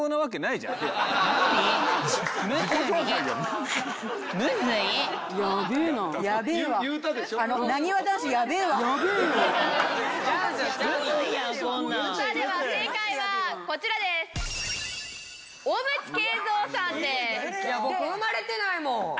いや僕生まれてないもん！